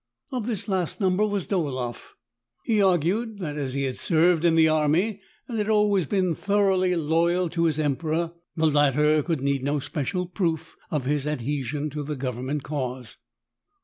Of this last number was Dolaeif. He argued that as he had served in the army, and had always been thoroughly loyal to his emperor, the latter could need no special proof of his adhesion to the government eause.